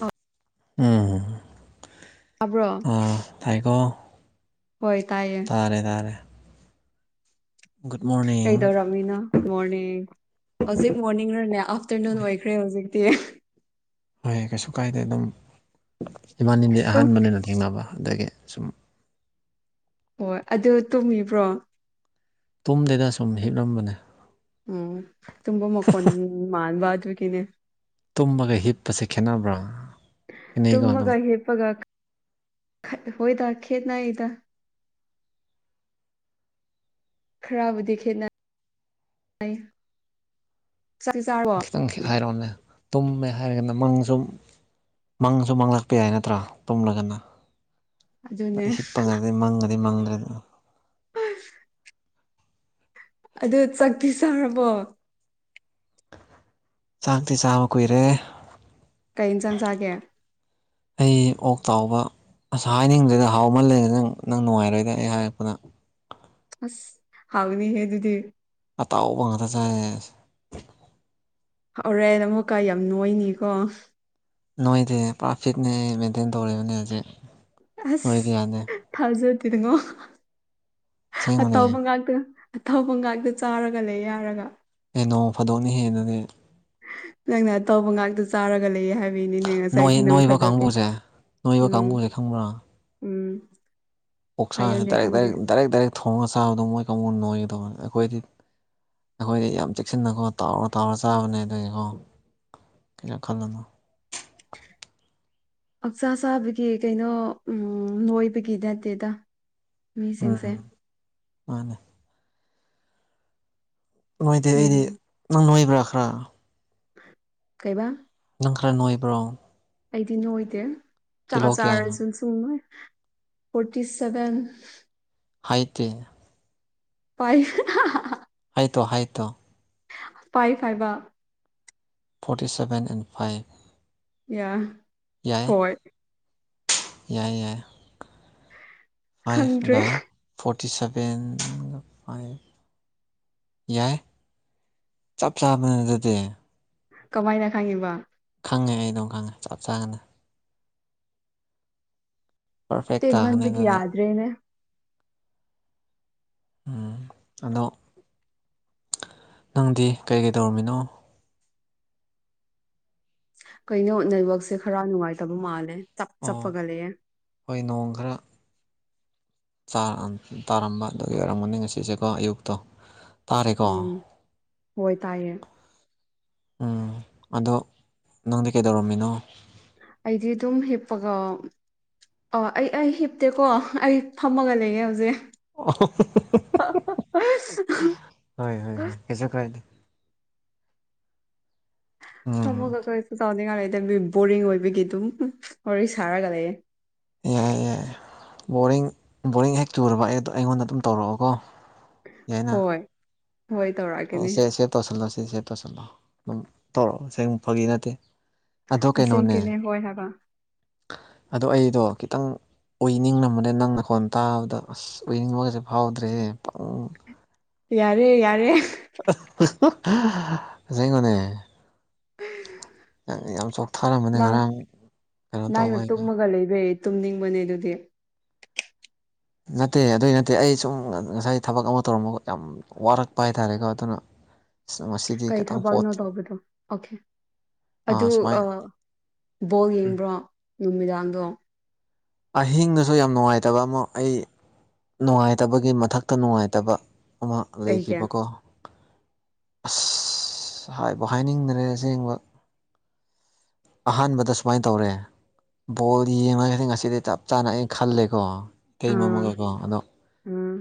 ꯑ ꯎꯝ ꯊꯥꯏꯀꯣ ꯍꯣꯏ ꯇꯥꯏꯌꯦ ꯇꯥꯔꯦ ꯇꯥꯔꯦ ꯒꯨꯗ ꯃꯣꯔꯅꯤꯡ ꯀꯩꯗꯧꯔꯝꯃꯤꯅ ꯒꯨ ꯃꯣꯔꯅꯤꯡ ꯍꯧꯖꯤꯛ ꯃꯣꯔꯅꯤꯡꯅꯅꯦ ꯑꯥꯐꯇꯔꯅꯨꯟ ꯑꯣꯏꯈ꯭ꯔꯦ ꯍꯧꯖꯤꯛ ꯇꯦ ꯍꯣꯏ ꯀꯩꯁꯨ ꯀꯥꯏꯗꯦ ꯑꯗꯨꯝ ꯏꯃꯥꯟꯅꯗꯤ ꯍꯣꯏ ꯑꯍꯥꯟꯕꯅꯦꯅ ꯊꯦꯡꯅꯕ ꯑꯗꯒꯤ ꯁꯨꯝ ꯍꯣꯏ ꯑꯗꯨ ꯇꯨꯝꯃꯤꯕ꯭ꯔꯣ ꯇꯨꯝꯗꯗ ꯁꯨꯝ ꯍꯤꯞꯂꯝꯕꯅꯦ ꯎꯝ ꯇꯨꯝꯕ ꯃꯈꯣꯟ ꯃꯕ ꯑꯗꯨꯒꯤꯅꯦ ꯇꯨꯝꯃꯒ ꯍꯤꯞꯄꯁꯦ ꯈꯦꯠꯅꯕ꯭ꯔꯥ ꯈꯦꯠꯅꯩꯀꯣ ꯑꯗꯨꯝ ꯇꯃꯒ ꯍꯤꯄꯒ ꯍꯣꯏꯗ ꯈꯦꯠꯅꯏꯗ ꯈꯔꯕꯨꯗꯤ ꯈꯦꯅ ꯈꯤꯇꯪ ꯈꯤ ꯍꯥꯏꯔꯛꯑꯣꯅꯦ ꯇꯨꯝꯃꯦ ꯍꯥꯏꯔꯒꯅ ꯃꯪꯁꯨꯨꯝ ꯃꯪꯁꯨ ꯃꯥꯡꯂꯛꯄ ꯌꯥꯏ ꯅꯠꯇ꯭ꯔꯥ ꯇꯨꯝꯂꯒꯅ ꯑꯗꯨꯅꯦ ꯍꯤꯞꯄꯉꯗꯤ ꯃꯪꯉꯗꯤ ꯃꯪꯗ꯭ꯔꯦꯗ ꯎꯝ ꯑꯗꯨ ꯆꯠꯈꯤ ꯆꯥꯔꯕꯣ ꯆꯥꯛꯇꯤ ꯆꯥꯕ ꯀꯨꯏꯔꯦ ꯀꯩꯟꯁꯥꯡꯖꯒꯦ ꯆꯥꯎꯕ ꯑꯁ ꯍꯥꯏꯅꯤꯡꯗꯦꯗ ꯍꯥꯎꯃꯜꯂꯗ ꯅꯪ ꯅꯪ ꯅꯨꯡꯉꯥꯏꯔꯣꯏꯗ ꯑꯩ ꯍꯥꯏꯔꯛꯄꯅ ꯑꯁ ꯍꯥꯎꯅꯤ ꯍꯦ ꯑꯗꯨꯗꯤ ꯑꯇꯥꯎꯕꯉꯗ ꯆꯥꯏꯌꯦ ꯍꯧꯎꯔꯦꯟ ꯑꯃꯨꯀꯥ ꯌꯥꯝ ꯅꯣꯏꯅꯤꯀꯣ ꯅꯣꯏꯗꯤ ꯇ꯭ꯔꯥꯐꯤꯛꯅꯦ ꯃꯦꯟꯇꯦꯟ ꯇꯧꯔꯤꯕꯅꯦ ꯍꯧꯖꯤꯛ ꯅꯣꯏꯕ ꯑꯁ ꯌꯥꯗꯦ ꯊꯥꯖꯗꯦ ꯉꯣ ꯑꯇꯥꯎꯕ ꯑꯁꯦꯡꯕꯅꯦ ꯉꯥꯛꯇ ꯑꯊꯧꯕꯒꯥꯛꯇ ꯆꯥꯔꯒ ꯂꯩ ꯌꯥꯔꯒ ꯑꯦ ꯅꯣꯡ ꯐꯥꯗꯣꯛꯅ ꯍꯦꯟꯅꯅꯦ ꯅꯪꯅ ꯑ ꯇꯧꯕ ꯉꯥꯛꯇ ꯆꯥꯔꯒ ꯂꯩꯌꯦ ꯍꯥꯏꯕ ꯅꯤꯅꯦ ꯅꯣꯏ ꯉꯁꯥꯏꯗꯤ ꯅꯪ ꯅꯣꯏꯕ ꯐꯗꯣꯛꯀꯦ ꯀꯥꯡꯕꯨꯁꯦ ꯅꯣꯏꯕ ꯎꯝ ꯀꯥꯡꯕꯨꯁꯦ ꯈꯪꯕ꯭ꯔꯥ ꯎꯝ ꯑꯣꯛꯁꯥꯁꯦ ꯍꯥꯏꯌꯣꯅꯦ ꯗꯥꯏꯔꯦꯛ ꯈꯪꯗꯦ ꯗꯥꯔꯦꯛ ꯗꯥꯏꯔꯦꯛ ꯗꯥꯏꯔꯦꯛ ꯊꯣꯡꯉꯒ ꯆꯥꯕꯗꯣ ꯃꯣꯏ ꯀꯕꯨꯅ ꯅꯣꯏꯒꯗꯧꯕꯅꯤ ꯑꯩꯈꯣꯏꯗꯤ ꯑꯩꯈꯣꯏ ꯌꯥꯝ ꯆꯦꯛꯁꯤꯟꯅꯀꯣ ꯇꯥꯎꯔ ꯇꯥꯎꯔ ꯆꯥꯕꯅꯦ ꯑꯗꯨꯒꯤꯀꯣ ꯀꯩꯩꯅ ꯈꯜꯅꯣ [unintelligible] ꯍꯛꯆꯥ ꯆꯥꯕꯒꯤ ꯀꯩꯅꯣ ꯅꯣꯏꯕꯒꯤ ꯅꯠꯇꯦꯗ ꯃꯤꯁꯤꯡꯁꯦ ꯎꯝ ꯃꯥꯅꯦ ꯉꯣꯏꯗꯦ ꯑꯩꯗꯤ ꯅꯪ ꯅꯣꯏꯕ꯭ꯔꯥ ꯈꯔ ꯀꯩꯕ ꯈꯪ ꯈꯔꯥ ꯅꯣꯏꯕ꯭ꯔꯣ ꯑꯩꯗꯤ ꯅꯣꯏꯗꯦ ꯆꯥ ꯀꯤꯂꯣ ꯀꯌꯥꯅꯣ ꯆꯥꯔꯁꯨ ꯁꯨꯡ ꯅꯣꯏ ꯐꯣꯔꯇꯤ ꯁꯚꯦꯟ ꯍꯥꯏꯇ꯭ꯔꯔꯤ ꯄꯥꯏ ꯍꯥꯏ ꯇꯣ ꯍꯥꯏ ꯇꯣ ꯐꯥꯏ ꯐꯥꯏꯕ ꯐꯣꯔꯇꯤ ꯁꯚꯦꯟ ꯑꯦꯟ ꯐꯥꯏꯚ ꯌꯥ ꯌꯥꯏ ꯍꯣꯏ ꯌꯥꯏ ꯌꯥꯏ ꯈꯪꯗ꯭ꯔꯦ ꯐꯥꯏꯚꯒ ꯐꯣꯔꯇꯤ ꯁꯚꯦꯟꯒ ꯐꯥꯏꯚ ꯌꯥꯏ ꯆꯞ ꯆꯥ ꯃꯖꯗꯤ ꯀꯃꯥꯏꯅ ꯈꯪꯉꯤꯕ ꯈꯪꯉꯦ ꯑꯩ ꯑꯗꯨꯝ ꯈꯪꯉꯦ ꯆꯞ ꯆꯥꯒꯅ ꯄꯔꯐꯦꯛ ꯂꯥꯍꯅꯦ ꯇꯦꯟꯃꯟꯕꯒꯤ ꯅꯅꯦ ꯌꯥꯗ꯭ꯔꯦꯅꯦ ꯎꯝ ꯑꯗ ꯅꯪꯗꯤ ꯀꯩꯀꯩ ꯇꯧꯔꯝꯃꯤꯅꯣ ꯀꯩꯅꯣ ꯅꯩꯋꯥꯛꯁꯦ ꯈꯔ ꯅꯨꯡꯉꯥꯏꯇꯕ ꯃꯥꯜꯂꯦ ꯆꯞ ꯑꯣ ꯆꯄꯒ ꯂꯩꯌꯦ ꯍꯣꯏ ꯅꯣꯡ ꯈꯔ ꯇꯥꯔꯝꯕ ꯑꯗꯨ ꯑꯣꯏꯔꯝꯒꯅꯤ ꯉꯁꯤꯁꯦꯀꯣ ꯑꯌꯨꯛꯇꯣ ꯇꯥꯔꯦꯀꯣ ꯎꯝ ꯍꯣꯏ ꯇꯥꯏꯌꯦ ꯎꯝ ꯑꯗꯣ ꯅꯪꯗꯤ ꯀꯩꯗꯧꯔꯝꯃꯤꯅꯣ ꯑꯩꯗꯤ ꯑꯗꯨꯝ ꯍꯦꯞꯒ ꯑꯣ ꯑꯩ ꯑꯩ ꯍꯤꯞꯇꯦꯀꯣ ꯑꯩ ꯐꯝꯃꯒ ꯂꯩꯒꯦ ꯍꯧꯖꯤꯛ ꯍ ꯍ ꯀꯁꯨ ꯀꯥꯏꯗꯤ ꯍ ꯎꯝ ꯃꯒ ꯀꯁ ꯆꯥꯎꯗꯤ ꯉꯥꯏ ꯈꯤꯪꯗꯤ ꯕꯣꯔꯤꯡ ꯑꯣꯏꯕꯒꯤ ꯑꯗꯨꯝ ꯋꯥꯔꯤ ꯁꯥꯔꯒ ꯂꯩꯌꯦ ꯌꯥꯏ ꯌꯥꯏ ꯕꯣꯔꯤꯡ ꯕꯣꯔꯤꯡ ꯍꯦꯛ ꯆꯨꯔꯕ ꯑꯩ ꯑꯗꯣ ꯑꯩꯉꯣꯟꯗ ꯑꯗꯨꯝ ꯇꯧꯔꯛꯑꯣꯀꯣ ꯌꯥꯏꯅ ꯍꯣꯏ ꯍꯣꯏ ꯇꯧꯔꯛꯀꯅꯤ ꯁꯦ ꯁꯦ ꯇꯧꯁꯤꯜꯂꯣ ꯁꯦ ꯁꯦ ꯇꯧꯁꯤꯜꯂꯣ ꯑꯗꯨꯝ ꯇꯧꯔꯛꯑꯣ ꯁꯦꯡ ꯐꯒꯤ ꯅꯠꯇꯦ ꯑꯗꯣ ꯀꯩꯅꯣꯅꯦ ꯑꯁꯦꯡꯒꯤꯅꯦ ꯍꯣꯏ ꯍꯥꯏꯕ ꯑꯗꯣ ꯑꯩꯗꯣ ꯈꯤꯇꯪ ꯑꯣꯏꯅꯤꯡꯉꯕꯅꯦ ꯅꯪꯅꯈꯣꯟ ꯇꯥꯕꯗ ꯑꯁ ꯑꯣꯏꯅꯤꯡꯕꯒꯁꯦ ꯐꯥꯎꯗ꯭ꯔꯦ ꯄꯨꯡ ꯌꯥꯔꯦ ꯌꯥꯔꯦ ꯁꯥꯏ ꯀꯅꯦ ꯑ ꯌꯥꯝ ꯁ ꯅꯪ ꯅꯪꯅ ꯇꯧꯕꯩꯗꯣ ꯇꯨꯛꯃꯒ ꯂꯩ ꯏꯕ ꯇꯅꯤꯡꯕꯅꯦ ꯑꯗꯨꯗꯤ ꯅꯠꯇꯦ ꯑꯗꯨꯏ ꯅꯠꯇꯦ ꯑꯩ ꯁꯨꯝ ꯉꯁꯥꯏ ꯊꯕꯛ ꯑꯃ ꯇꯧꯔꯝꯕ ꯌꯥꯝ ꯋꯥꯔꯛꯄ ꯍꯥꯏ ꯇꯔꯦꯀꯣ ꯑꯗꯨꯅ ꯑꯁ ꯉꯁꯤꯗꯤ ꯀꯩ ꯈꯤꯇꯪ ꯄꯣꯠ ꯊꯕꯛꯅꯣ ꯇꯧꯕꯗꯣ ꯑꯣꯀꯦ ꯑꯗꯨ ꯑꯥ ꯁꯨꯃꯥꯏꯅ ꯕꯣꯜ ꯎꯝ ꯌꯦꯡꯕ꯭ꯔꯣ ꯅꯨꯃꯤꯗꯥꯡꯗꯣ ꯑꯍꯤꯡꯗꯁꯨ ꯌꯥꯝ ꯅꯨꯡꯉꯥꯏꯇꯕ ꯑꯃ ꯑꯩ ꯅꯨꯡꯉꯥꯏꯇꯕꯒꯤ ꯃꯊꯛꯇ ꯅꯨꯡꯉꯥꯏꯇꯕ ꯑꯃ ꯀꯩꯒꯤ ꯂꯩꯈꯤꯕꯀꯣ ꯑꯁ ꯍꯥꯏꯕ ꯍꯥꯏꯅꯤꯡꯗꯔꯦ ꯑꯁꯦꯡꯕ ꯑꯍꯥꯟꯕꯗ ꯁꯨꯃꯥꯏꯅ ꯇꯧꯔꯦ ꯕꯣꯜ ꯌꯦꯡꯒꯗꯤ ꯉꯁꯤꯗꯤ ꯆꯞ ꯆꯥꯅ ꯑꯩꯅ ꯈꯜꯂꯦꯀꯣ ꯀꯩ ꯃꯔꯣ ꯑꯥ ꯑꯃꯒꯀꯣ ꯑꯗꯣ ꯎꯝ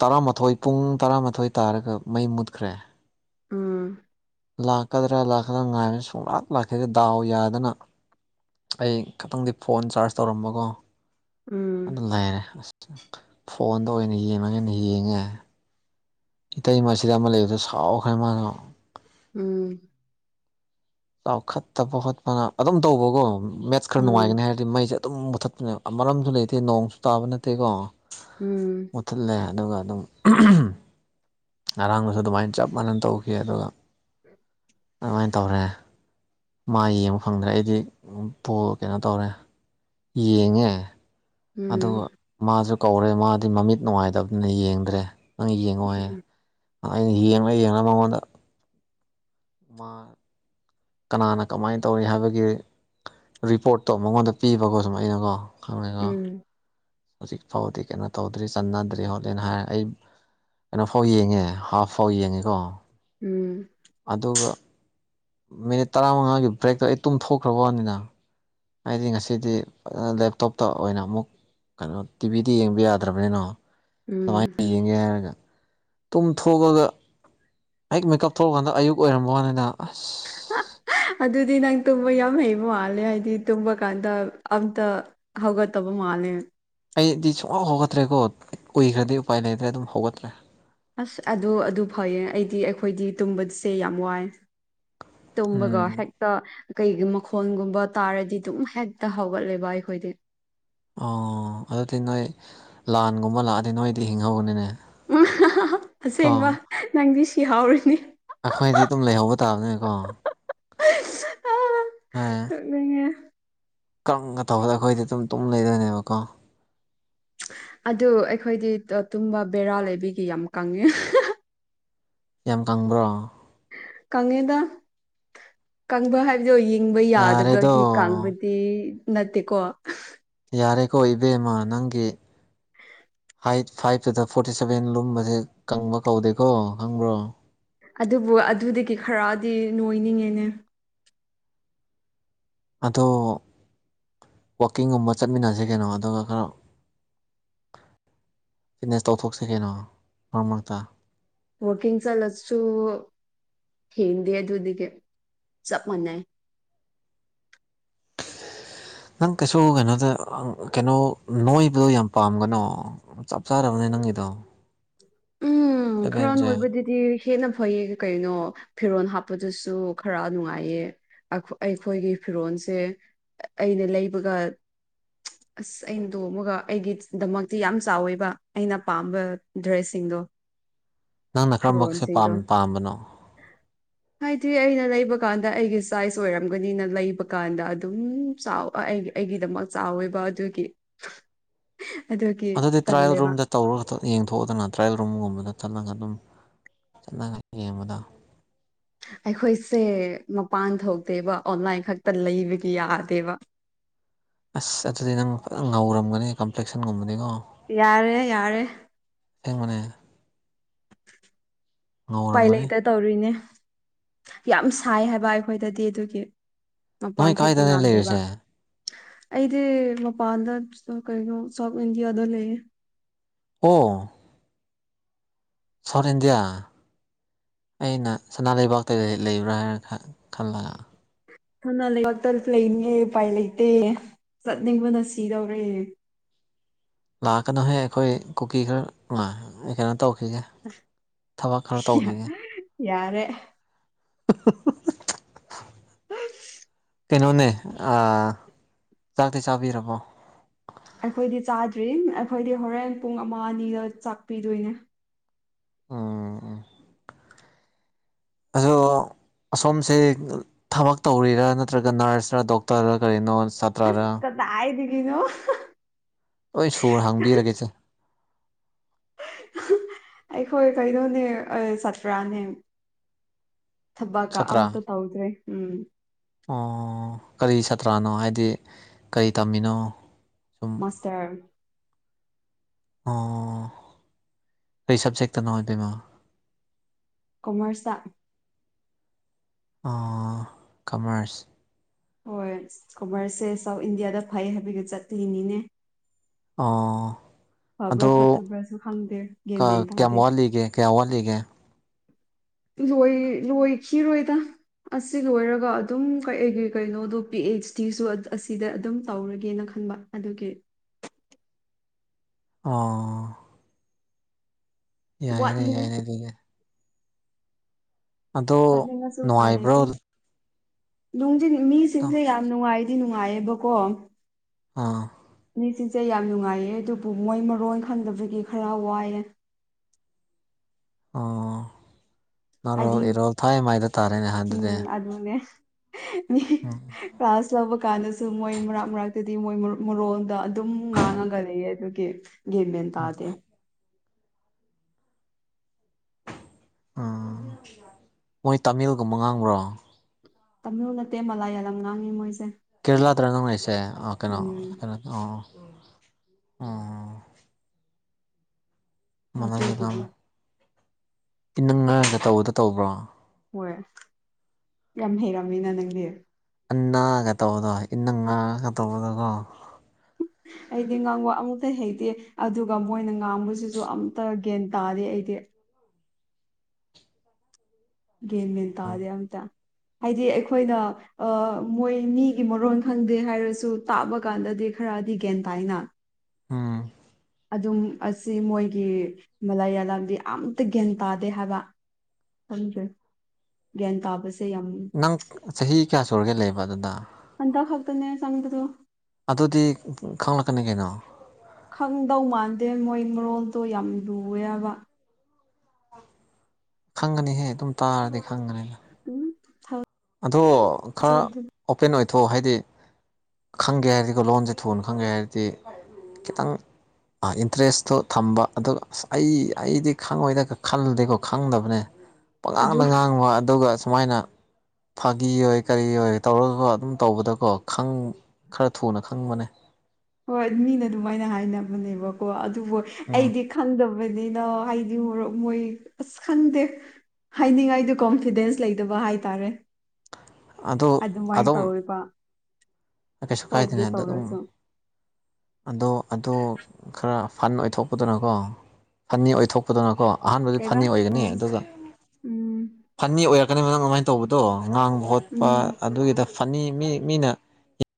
ꯇꯔꯥꯃꯥꯊꯣꯏ ꯄꯨꯡ ꯇꯔꯥꯃꯥꯊꯣꯏ ꯇꯥꯔꯒ ꯃꯩ ꯃꯨꯠꯈ꯭ꯔꯦ ꯑꯥ ꯂꯥꯛꯀꯗ꯭ꯔꯥ ꯂꯥꯛꯀꯗ꯭ꯔꯥ ꯉꯥꯏꯔꯅ ꯁꯨꯡꯂꯥꯛ ꯂꯥꯛꯈꯤꯒꯦ ꯗꯥꯎ ꯌꯥꯗꯅ ꯑꯩ ꯈꯤꯇꯪꯗꯤ ꯐꯣꯟ ꯆꯥꯔꯖ ꯇꯧꯔꯝꯕꯀꯣ ꯎꯝ ꯑꯗꯨ ꯂꯩꯔꯦ ꯑꯁ ꯐꯣꯟꯗ ꯑꯣꯏꯅ ꯌꯦꯡꯉꯒꯦꯅ ꯌꯦꯡꯉꯦ ꯏꯇꯩ ꯃꯆꯗ ꯑꯃ ꯂꯩꯕꯗ ꯁꯥꯎꯈ꯭ꯔꯦ ꯃꯥꯅ ꯎꯝ ꯆꯥꯎꯈꯠꯇꯕ ꯈꯣꯠꯄꯅ ꯑꯗꯨꯝ ꯇꯧꯕꯀꯣ ꯃꯦꯠꯁ ꯈꯔ ꯎꯝ ꯅꯨꯡꯉꯥꯏꯒꯅꯤ ꯍꯥꯏꯔꯗꯤ ꯃꯩꯁꯦ ꯑꯗꯨꯝ ꯃꯨꯠꯊꯠꯄꯅꯦꯕ ꯃꯔꯝꯁꯨ ꯂꯩꯇꯦ ꯅꯣꯡꯁꯨ ꯇꯥꯕ ꯅꯠꯇꯦꯀꯣ ꯎꯝ ꯃꯨꯠꯊꯠꯂꯦ ꯑꯗꯨꯒ ꯑꯗꯨꯝ ꯉꯔꯥꯡꯒꯁꯨ ꯑꯗꯨꯃꯥꯏꯅ ꯆꯞ ꯃꯥꯟꯅꯅ ꯇꯧꯈꯤ ꯑꯗꯨꯒ ꯑꯗꯨꯃꯥꯏꯅ ꯇꯧꯔꯦ ꯃꯥ ꯌꯦꯡꯕ ꯐꯪꯗ꯭ꯔꯦ ꯑꯩꯗꯤ ꯀꯩꯅꯣ ꯇꯧꯔꯦ ꯌꯦꯡꯉꯦ ꯑꯗꯨ ꯎꯝ ꯃꯥꯁꯨ ꯀꯧꯔꯦ ꯃꯥꯗꯤ ꯃꯃꯤꯠ ꯅꯨꯡꯉꯥꯏꯇꯕꯗꯨꯅ ꯌꯦꯡꯗ꯭ꯔꯦ ꯅꯪ ꯌꯦꯡꯉꯨ ꯍꯥꯏꯌꯦ ꯎꯝ ꯑꯩꯅ ꯌꯦꯡꯥ ꯌꯦꯡꯥ ꯃꯉꯣꯟꯗ ꯃꯥ ꯀꯅꯥꯅ ꯀꯃꯥꯏꯅ ꯇꯧꯔꯤ ꯍꯥꯏꯕꯒꯤ ꯔꯤꯄꯣꯔꯠꯇꯣ ꯃꯉꯣꯟꯗ ꯄꯤꯕꯒꯣ ꯁꯨꯝ ꯑꯩꯅꯀꯣ ꯈꯪꯅꯦꯀ ꯎꯝ ꯍꯧꯖꯤꯛ ꯐꯥꯎꯗꯤ ꯀꯩꯅꯣ ꯇꯧꯗ꯭ꯔꯤ ꯆꯅꯗ꯭ꯔꯤ ꯍꯣꯠꯂꯦꯅ ꯍꯥꯏ ꯑꯩ ꯀꯩꯅꯣꯐꯥꯎ ꯌꯦꯡꯉꯦ ꯍꯥꯐ ꯐꯥꯎ ꯌꯦꯡꯉꯦꯀꯣ ꯎꯝ ꯑꯗꯨꯒ ꯃꯤꯅꯤꯠ ꯇꯔꯥꯃꯉꯥꯒꯤ ꯕ꯭ꯔꯦꯛꯇꯣ ꯑꯩ ꯇꯨꯝꯊꯣꯛꯈ꯭ꯔꯕ ꯋꯥꯅꯤꯅ ꯍꯥꯏꯗꯤ ꯉꯁꯤꯗꯤ ꯂꯦꯞꯇꯣꯞꯇ ꯑꯣꯏꯅ ꯑꯃꯨꯛ ꯀꯩꯅꯣ ꯇꯤꯚꯤꯗ ꯌꯦꯡꯕ ꯌꯥꯗ꯭ꯔꯕꯅꯤꯅꯣ ꯎꯝ ꯇꯨꯝ ꯊꯣꯛꯑꯒ ꯍꯦꯛ ꯃꯦꯀꯞ ꯊꯣꯛꯑꯀꯥꯟꯗ ꯑꯌꯨꯛ ꯑꯣꯏꯔꯝꯕ ꯋꯥꯅꯤꯗ ꯑꯁ ꯑ ꯑꯗꯨꯗꯤ ꯅꯪ ꯇꯨꯝꯕ ꯌꯥꯝ ꯍꯩꯕ ꯃꯥꯜꯂꯦ ꯍꯥꯏꯗꯤ ꯇꯨꯝꯕ ꯀꯥꯟꯗ ꯑꯝꯇ ꯍꯧꯒꯠꯇꯕ ꯃꯥꯅꯦꯦ ꯑꯩꯗꯤ ꯁꯨꯡꯂꯞ ꯍꯧꯒꯠꯇ꯭ꯔꯦꯀꯣ ꯎꯏꯈ꯭ꯔꯗꯤ ꯎꯄꯥꯏ ꯂꯩꯇ꯭ꯔꯦ ꯑꯗꯨꯝ ꯍꯧꯒꯠꯇ꯭ꯔꯦ ꯑꯁ ꯑꯗꯨ ꯑꯗꯨ ꯐꯩꯌꯦ ꯑꯩꯗꯤ ꯑꯩꯈꯣꯏꯗꯤ ꯇꯨꯝꯕꯁꯦ ꯌꯥꯝ ꯋꯥꯏ ꯇꯃꯒ ꯎꯝ ꯍꯦꯛꯇ ꯀꯩꯒꯤ ꯃꯈꯣꯜꯒꯨꯝꯕ ꯇꯥꯔꯗꯤ ꯑꯗꯨꯝ ꯍꯦꯛꯇ ꯍꯧꯒꯠꯂꯦꯕ ꯑꯩꯈꯣꯏꯗꯤ ꯑꯣ ꯑꯗꯨꯗꯤ ꯅꯣꯏ ꯂꯥꯟꯒꯨꯝꯕ ꯂꯥꯛꯑꯗꯤ ꯅꯣꯏꯗꯤ ꯍꯤꯡꯍꯧꯕꯅꯤꯅꯦ ꯀꯣ ꯎꯁꯦꯡꯕ ꯅꯪꯗꯤ ꯁꯤꯍꯥꯎꯔꯤꯅꯤ ꯑꯩꯈꯣꯏꯗꯤ ꯑꯗꯨꯝ ꯂꯩꯍꯧꯕ ꯇꯥꯕꯅꯦꯀꯣ ꯑꯥ, ꯍꯥꯏ ꯅꯣꯛꯅꯤꯡꯉꯦ꯫ ꯀꯪꯒ ꯇꯧꯕꯗ ꯑꯩꯈꯣꯏꯗꯤ ꯑꯗꯨꯝ ꯇꯨꯝ ꯂꯩꯗꯣꯏꯅꯦꯕꯀꯣ ꯑꯗꯨ ꯑꯩꯈꯣꯏꯗꯤ ꯇꯨꯝꯕ ꯕꯦꯔꯥ ꯂꯩꯕꯤꯒꯤ ꯌꯥꯝ ꯀꯪꯉꯤ ꯌꯥꯝ ꯀꯪꯕ꯭ꯔꯣ ꯀꯪꯉꯦꯗ ꯀꯪꯕꯥ ꯍꯥꯏꯕꯤ ꯑꯗꯣ ꯌꯦꯡꯕ ꯌꯥꯔꯦꯗꯣ ꯌꯥꯗꯕꯒꯤ ꯀꯥꯡꯕꯨꯗꯤ ꯅꯠꯇꯦꯀꯣ ꯌꯥꯔꯦꯀꯣ ꯏꯕꯦꯝꯃ ꯅꯪꯒꯤ ꯍꯥꯏꯠ ꯐꯥꯏꯚꯇꯨꯗ ꯐꯣꯔꯇꯤ ꯁꯚꯦꯟ ꯂꯨꯝꯕꯁꯦ ꯀꯪꯕ ꯀꯧꯗꯦꯀꯣ ꯈꯪꯕ꯭ꯔꯣ ꯑꯗꯨꯕꯨ ꯑꯗꯨꯗꯒꯤ ꯈꯔꯗꯤ ꯅꯣꯏꯅꯤꯡꯉꯦꯅꯦ ꯑꯗꯣ ꯋꯥꯀꯤꯡꯒꯨꯝꯕ ꯆꯠꯃꯤꯟꯅꯁꯤ ꯀꯩꯅꯣ ꯑꯗꯨꯒ ꯈꯔ ꯅꯦꯁ ꯇꯧꯊꯣꯛꯁꯦ ꯀꯩꯅꯣ ꯃꯔꯛ ꯃꯔꯛꯇ ꯋꯥꯀꯤꯡ ꯆꯠꯂꯥꯁꯨ ꯍꯗꯤ ꯑꯗꯨꯗꯒꯤ ꯆꯞ ꯃꯥꯟꯅꯦ [unintelligible] ꯅꯪ ꯀꯩꯁꯨ ꯀꯩꯅꯣꯗ ꯀꯩꯅꯣ ꯅꯣꯏꯕꯗꯣ ꯌꯥꯝ ꯄꯥꯝꯒꯅꯣ ꯆꯞ ꯆꯥꯔꯕꯅꯤꯅ ꯅꯪꯒꯤꯗꯣ [unintelligible] ꯎꯝ ꯈꯔ ꯁꯚꯦꯟꯁꯦ ꯅꯣꯏꯕꯗꯨꯗꯤ ꯍꯦꯟꯅ ꯐꯩꯌꯦ ꯀꯩꯅꯣ ꯐꯤꯔꯣꯟꯜ ꯍꯥꯞꯄꯗꯨꯁꯨ ꯇꯨ ꯈꯔ ꯅꯨꯡꯉꯥꯏꯌꯦ ꯑꯩꯈꯣꯏꯒꯤ ꯐꯤꯔꯣꯜꯁꯦ ꯑꯩꯅ ꯂꯩꯕꯒ ꯑꯁ ꯑꯩꯅ ꯇꯣꯃꯒ ꯑꯩꯒꯤꯗꯃꯛꯇꯤ ꯌꯥꯝ ꯆꯥꯎꯋꯦꯕ ꯑꯩꯅ ꯄꯥꯝꯕ ꯗ꯭ꯔꯦꯁ ꯁꯤꯡꯗꯣ ꯅꯪꯅ ꯀꯔꯝꯕꯁꯦ ꯄꯥꯝꯕꯅꯣ [unintelligible] ꯍꯥꯏꯗꯤ ꯑꯩꯅ ꯂꯩꯕꯀꯥꯟꯗ ꯑꯩꯒꯤ ꯁꯥꯏꯖ ꯑꯣꯏꯔꯝꯒꯅꯤꯅ ꯂꯩꯕ ꯀꯥꯟꯗ ꯑꯗꯨꯝ ꯆꯥꯎ ꯑꯩ ꯑꯩꯒꯤꯗꯃꯛ ꯆꯥꯎꯋꯦꯕ ꯑꯗꯨꯒꯤ ꯑꯗꯨꯒꯤ ꯑꯗꯨꯗꯤ ꯇ꯭ꯔꯥꯌꯦꯜ ꯇꯜꯂꯦꯕ ꯔꯨꯝꯗ ꯇꯧꯔꯒ ꯈꯛꯇ ꯌꯦꯡꯊꯣꯛꯗꯅ ꯇ꯭ꯔꯥꯌꯦꯜ ꯔꯨꯝꯒꯨꯝꯕꯗ ꯆꯠꯂꯒ ꯑꯗꯨꯝ ꯆꯠꯂꯒ ꯌꯦꯡꯕꯗ ꯑꯩꯈꯣꯏꯁꯦ ꯃꯄꯥꯟ ꯊꯣꯛꯇꯦꯕ ꯑꯣꯟꯂꯥꯏꯟ ꯈꯛꯇ ꯂꯩꯕꯗꯤ ꯌꯥꯗꯦꯕ [inaudible] ꯑꯁ ꯑꯗꯨꯗꯤ ꯅꯪ ꯉꯧꯔꯝꯒꯅꯤ ꯀꯝꯄ꯭ꯂꯦꯛꯁꯟꯒꯨꯝꯕꯗꯤꯀꯣ ꯌꯥꯔꯦ ꯌꯥꯔꯦ ꯑꯁꯦꯡꯕꯅꯦ ꯎꯄꯥꯏ ꯉꯧꯔꯝꯒꯅꯤ ꯂꯩꯇ ꯇꯧꯔꯤꯅꯦ ꯌꯥꯝ ꯁꯥꯏ ꯍꯥꯏꯕ ꯑꯩꯈꯣꯏꯗꯗꯤ ꯑꯗꯨꯒꯤ ꯃꯄꯥꯟ ꯅꯣꯏ ꯊꯣꯛꯄ ꯀꯥꯏꯗꯅꯦ ꯉꯝꯗꯦꯕ ꯂꯩꯔꯤꯁꯦ ꯑꯩꯗꯤ ꯃꯄꯥꯟꯗ ꯀꯩꯅꯣ ꯁꯥꯎꯠ ꯏꯟꯗꯤꯌꯥꯗ ꯂꯩꯌꯦ ꯑꯣ ꯁꯥꯎꯠ ꯏꯟꯗꯤꯌꯥ ꯑꯩꯅ ꯁꯅꯥ ꯂꯩꯕꯥꯛꯇꯗ ꯂꯩꯕ꯭ꯔꯥ ꯍꯥꯏꯅ ꯈꯜꯂꯒ ꯊꯥꯅ ꯂꯩꯕꯥꯛꯇ ꯂꯩꯅꯤꯑꯦ ꯎꯄꯥꯏ ꯂꯩꯇꯦ ꯆꯠꯅꯤꯡꯕꯅ ꯁꯤꯗꯧꯔꯦ [unintelligible] ꯂꯥꯛꯀꯅꯨꯍꯦ ꯑꯩꯈꯣꯏ ꯀꯨꯀꯤ ꯈꯔ ꯂ ꯀꯩꯅꯣ ꯇꯧ ꯇꯧꯈꯤꯒꯦ ꯊꯕꯛ ꯈꯔ ꯇꯧꯈꯤꯒꯦ ꯌꯥꯔꯦ [unintelligible] ꯀꯩꯅꯣꯅꯦ ꯆꯥꯛꯇꯤ ꯆꯥꯕꯤꯔꯕꯣ ꯑꯩꯈꯣꯏꯗꯤ ꯆꯥꯗ꯭ꯔꯤ ꯑꯩꯈꯣꯏꯗꯤ ꯍꯣꯔꯦꯟ ꯄꯨꯡ ꯑꯃ ꯑꯅꯤꯗ ꯆꯥꯛ ꯄꯤꯗꯣꯏꯅꯦ ꯎꯝ ꯑꯗꯣ [inaudible] ꯑꯁꯣꯝꯁꯦ ꯊꯕꯛ ꯇꯧꯔꯤꯔꯥ ꯅꯠꯇ꯭ꯔꯒ ꯅꯔꯁꯔ ꯗꯣꯛꯇꯔꯔ ꯅꯠꯇꯔꯒ ꯀꯔꯤꯅꯣ ꯑꯁ ꯁꯥꯇ꯭ꯔꯔ ꯀꯗꯥꯏꯗꯒꯤꯅꯣ ꯑꯩ ꯁꯨꯔ ꯍꯥꯡꯕꯤꯔꯒꯦꯁꯦ [inaudible] ꯑꯩꯈꯣꯏ ꯀꯩꯅꯣꯅꯦ ꯆꯄ꯭ꯔꯥꯅꯦ ꯊꯕꯛꯀ ꯁꯥꯇ꯭ꯔꯥ ꯑꯝꯇ ꯇꯧꯗ꯭ꯔꯦ ꯎꯝ ꯑꯣ ꯀꯔꯤ ꯁꯥꯇ꯭ꯔꯥꯅꯣ ꯍꯥꯏꯗꯤ ꯀꯔꯤ ꯇꯝꯃꯤꯅꯣ ꯁꯨꯝ ꯃꯥꯁꯇꯔ ꯑꯣ ꯀꯩ ꯁꯕꯖꯦꯛꯛꯇ ꯅ ꯑꯣꯏꯗꯣꯏꯃ ꯀꯣꯃꯔꯁ ꯀꯃꯔꯁ ꯍꯣꯏ ꯀꯣꯃꯔꯁꯁꯦ ꯁꯥꯎꯠ ꯏꯟꯗꯤꯌꯥꯗ ꯐꯩ ꯍꯥꯏꯕꯒꯤ ꯆꯠꯂꯤꯅꯤꯅꯦ ꯑꯥ ꯐꯕ꯭ꯔꯥ ꯑꯗꯣ ꯐꯠꯇꯕ꯭ꯔꯥꯁꯨ ꯈꯪꯗꯦ ꯒ꯭ꯌꯥꯟ ꯃꯦꯟ ꯀꯌꯥꯝ ꯋꯥꯠꯂꯤꯒꯦ ꯀꯌꯥꯝ ꯋꯥꯠꯂꯤꯒꯦ ꯂꯏ ꯂꯣꯏ ꯆ ꯔꯣꯣꯏꯗ ꯑꯁꯤꯒꯤ ꯑꯣꯏꯔꯒ ꯑꯗꯨꯝ ꯀꯩꯒꯤ ꯀꯩꯅꯣꯗꯣ ꯄꯤ ꯑꯩꯆ ꯗꯤꯁꯨ ꯑꯁꯤꯗ ꯑꯗꯨꯝ ꯇꯧꯔꯒꯦꯅ ꯈꯜꯦ ꯈꯪꯕ ꯑꯗꯨꯒꯤ ꯑꯥ ꯌꯥꯏꯅꯦ ꯋꯥꯠꯂꯤ ꯌꯥꯏꯅꯦ ꯂꯩꯒꯔ ꯑꯗꯣ ꯅꯨꯡꯉꯥꯏꯕ꯭ꯔꯣ ꯅꯨꯡ ꯃꯤꯁꯤꯡꯁꯦ ꯑꯥ ꯌꯥꯝ ꯅꯨꯡꯉꯥꯏꯗꯤ ꯅꯨꯡꯉꯥꯏꯌꯦꯕꯀꯣ ꯑꯥ ꯃꯤꯁꯤꯡꯁꯦ ꯌꯥꯝ ꯅꯨꯡꯉꯥꯏꯌꯦ ꯑꯗꯨꯕꯨ ꯃꯣꯏ ꯃꯔꯣꯟ ꯈꯪꯗꯕꯒꯤ ꯈꯔ ꯋꯥꯏꯑꯦ ꯑꯣ ꯅꯔꯣꯜ ꯍꯥꯏꯗꯤ ꯏꯔꯣꯜ ꯊꯥꯏ ꯃꯥꯏꯗ ꯇꯥꯔꯦꯅꯦ ꯑꯗꯨꯗꯤ ꯎꯝ ꯑꯗꯨꯅꯦ ꯃꯤ ꯎꯝ ꯀ꯭ꯂꯥꯁ ꯆꯕ ꯀꯥꯟꯗꯁꯨ ꯃꯣꯏ ꯃꯔꯛ ꯃꯔꯥꯛꯇꯗꯤ ꯃꯣꯏ ꯃꯔꯣꯟꯗ ꯑꯗꯨꯝ ꯉꯥꯡꯉꯒ ꯂꯩꯌꯦ ꯑꯗꯨꯒꯤ ꯒꯤꯟ ꯃꯦꯟ ꯎꯝ ꯇꯗꯦ ꯃꯣꯏ ꯇꯥꯃꯤꯜꯒꯨꯝꯕ ꯉꯥꯡꯕ꯭ꯔꯣ ꯇꯝꯂꯨ ꯅꯠꯇꯦ ꯃꯂꯥꯌꯥꯂꯝ ꯉꯥꯡꯉꯤ ꯃꯣꯏꯁꯦ ꯀꯦꯔꯦꯂꯥꯗꯔ ꯅꯪ ꯂꯩꯁꯦ ꯑ ꯀꯩꯅꯣ ꯎꯝ ꯀꯩꯅꯣ ꯑ ꯑ ꯑ ꯇꯨꯇꯅꯦ ꯏ ꯅꯪ ꯉꯔꯒ ꯇꯧꯕꯗ ꯇꯧꯕ꯭ꯔꯣ ꯍꯣꯏ ꯌꯥꯝ ꯍꯩꯔꯝꯃꯤꯅ ꯅꯪꯗꯤ ꯑꯟꯅꯒ ꯇꯧꯕꯗꯣ ꯏꯟꯅꯪ ꯉꯒ ꯇꯧꯕꯗꯨꯒꯣ ꯑꯩꯗꯤ ꯉꯥꯡꯕ ꯑꯃꯇ ꯍꯩꯇꯦ ꯑꯗꯨꯒ ꯃꯣꯏꯅ ꯉꯥꯡꯕꯁꯤꯁꯨ ꯑꯝꯇ ꯒ꯭ꯌꯥꯟ ꯇꯥꯗꯦ ꯑꯩꯗꯤ [inaudible] ꯦꯟꯅ ꯃꯦꯟꯅ ꯇꯥꯗꯦ ꯇ ꯍꯥꯏꯗꯤ ꯑꯩꯈꯣꯏꯅ ꯃꯣꯏ ꯃꯤꯒꯤ ꯃꯔꯣꯟ ꯈꯪꯗꯦ ꯍꯥꯏꯔꯁꯨ ꯇꯥꯕ ꯀꯥꯟꯗꯗꯤ ꯈꯔ ꯗꯤ ꯒꯦꯟ ꯇꯥꯏꯅ ꯎꯝ ꯑꯗꯨꯝ ꯑꯁꯤ ꯃꯣꯏꯒꯤ ꯃꯂꯥꯌꯥ ꯂꯝꯥꯗꯤ ꯌꯥꯝꯇ ꯒ꯭ꯌꯥꯟ ꯇꯥꯗꯦ ꯍꯥꯏꯕ ꯖ ꯒꯦꯟ ꯇꯥꯕꯁ ꯅꯪ ꯆꯍꯤ ꯀꯌꯥ ꯁꯨꯔꯒꯦ ꯂꯩꯕ ꯑꯗꯨꯗ ꯑꯟꯗ ꯈꯥꯎ ꯇꯅꯦ ꯁꯪꯉ ꯇꯣ ꯑꯗꯨꯗꯤ ꯈꯪꯂꯛꯀꯅꯤ ꯀꯩꯅꯣ ꯈꯪꯗꯧ ꯃꯥꯟꯗꯦ ꯃꯣꯏ ꯃꯔꯣꯜꯗꯣ ꯌꯥꯝ ꯂꯨꯑꯦꯕ ꯈꯪꯒꯅꯤꯍꯦ ꯑꯗꯨꯝ ꯇꯥꯔꯗꯤ ꯈꯪꯒꯅꯤꯅ ꯐ ꯑꯗꯣ ꯈꯔ ꯑꯣꯄꯦꯟ ꯑꯣꯏꯊꯣꯛꯑꯣ ꯍꯥꯏꯗꯤ ꯈꯪꯒꯦ ꯍꯥꯏꯔꯗꯤꯀꯣ ꯂꯣꯟꯁꯦ ꯊꯨꯅ ꯈꯪꯒꯦ ꯍꯥꯏꯔꯗꯤ ꯈꯤꯇꯪ ꯏꯟꯇꯔꯦꯁꯇꯣ ꯊꯝꯕ ꯑꯗꯨꯒ ꯑꯁ ꯑꯩ ꯑꯩꯗꯤ ꯈꯪꯉꯣꯏꯗ ꯈꯜꯂꯨꯗꯦꯀꯣ ꯈꯪꯗꯕꯅꯦ ꯑꯗꯨ ꯄꯉꯥꯡꯗ ꯉꯥꯡꯕ ꯑꯗꯨꯒ ꯁꯨꯃꯥꯏꯅ ꯐꯥꯒꯤ ꯑꯣꯏ ꯀꯔꯤ ꯑꯣꯏ ꯇꯧꯔꯒꯒ ꯑꯗꯨꯝ ꯇꯧꯕꯗꯀꯣ ꯈꯔ ꯊꯨꯅ ꯈꯪꯕꯅꯦ ꯍꯣꯏ ꯃꯤꯅ ꯑꯗꯨꯃꯥꯏꯅ ꯍꯥꯏꯅꯕꯅꯦꯕꯀꯣ ꯑꯗꯨꯕꯨ ꯎꯝ ꯑꯩꯗꯤ ꯈꯪꯗꯕ ꯕꯅꯤꯅ ꯑꯩꯗꯤ ꯍꯣꯔꯣꯛ ꯃꯣꯏ ꯑꯁ ꯈꯪꯗꯦ ꯍꯥꯏꯅꯤꯡꯉꯥꯏꯗꯨ ꯀꯣꯟꯐꯤꯗꯦꯟꯁ ꯂꯩꯇꯕ ꯍꯥꯏꯇꯥꯔꯦ ꯑꯗꯨ ꯑꯗꯨꯃꯥꯏꯅ ꯑꯗꯨꯝ ꯇꯧꯔꯤꯕ ꯀꯩꯁꯨ ꯀꯥꯏꯗꯅ ꯍꯥꯏꯗ ꯑꯗꯨꯝ ꯑꯗꯣ ꯑꯗꯨ ꯈꯔ ꯐꯟ ꯑꯣꯏꯊꯣꯛꯄꯗꯅꯀꯣ ꯐꯟꯅꯤ ꯑꯣꯏꯊꯣꯛꯄꯗꯅꯀꯣ ꯑꯍꯥꯟꯕꯗꯤ ꯀꯩꯕ ꯐꯅꯤ ꯑꯣꯏꯒꯅꯤ ꯎꯝ ꯑꯗꯨꯒ ꯎꯝ ꯐꯅꯤ ꯑꯣꯏꯔꯛꯀꯅꯤ ꯃꯪ ꯑꯗꯨꯃꯥꯏꯅ ꯇꯧꯕꯗꯣ ꯉꯥꯡꯕ ꯈꯣꯠꯄ ꯎꯝ ꯑꯗꯨꯒꯤꯗ ꯐꯅꯤ ꯃꯤ ꯃꯤꯅ